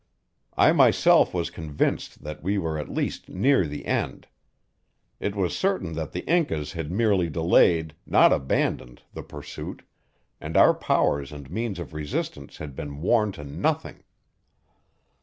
I myself was convinced that we were at last near the end. It was certain that the Incas had merely delayed, not abandoned, the pursuit, and our powers and means of resistance had been worn to nothing.